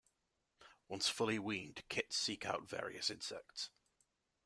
Once fully weaned, kits seek out various insects.